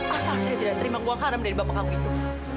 asal saya tidak terima uang haram dari bapak kamu itu